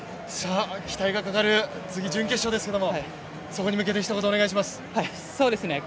期待がかかる準決勝ですけどもそこに向けて、ひと言お願いします。